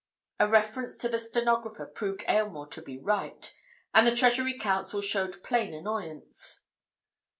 A reference to the stenographer proved Aylmore to be right, and the Treasury Counsel showed plain annoyance.